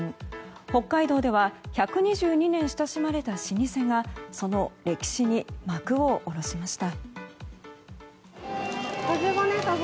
北海道では１２２年、親しまれた老舗がその歴史に幕を下ろしました。